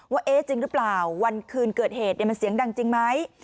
ว่าเอ๊ะจริงหรือเปล่าวันคืนเกิดเหตุมันเสียงดังจริงไหม